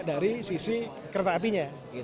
dari sisi kereta apinya